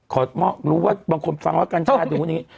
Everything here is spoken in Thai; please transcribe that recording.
รู้ว่าบางคนฟังว่ากัญชาดูอย่างนี้